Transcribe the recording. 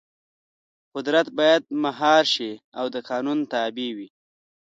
قدرت باید مهار شي او د قانون تابع وي.